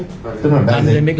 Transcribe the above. pandemic là đây